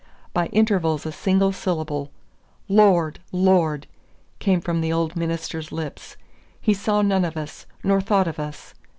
By intervals a single syllable, "Lord! Lord!" came from the old minister's lips. He saw none of us, nor thought of us.